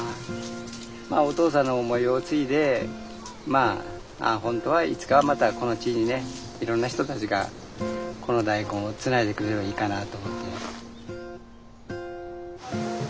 お父さんの思いを継いで本当はいつかまたこの地にいろんな人たちがこの大根をつないでくれればいいかなと思って。